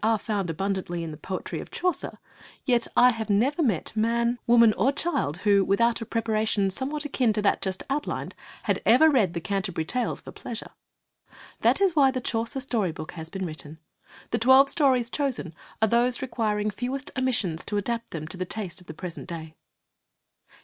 ^re fouaJ abundantly in the poetry of Chaucer, yet T*. have, never met man. VI woman, or child who, without a preparation somewhat akin to that just outlined, had ever read the Canterbury Tales for pleasure. That is why the Chaucer Story Book has been written. The twelve stories chosen are those requiring fewest omissions to adapt them to the taste of the present day.